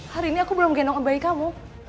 hari ini aku belum gendong bayi kamu